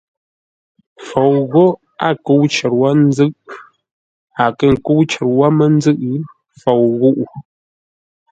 Fou ghó a kə́u cər wó ńzʉ́ʼ, a kə̂ kə́u cər wó mə́ ńzʉ́ʼ, fou ghúʼu.